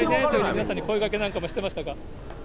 皆さんに声掛けなんかもしてましたが。